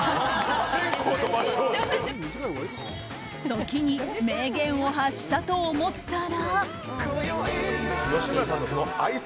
時に名言を発したと思ったら。